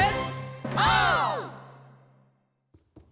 オー！